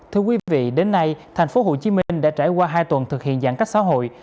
thưa quý vị đến nay thành phố hồ chí minh đã trải qua hai tuần thực hiện giãn cách xã hội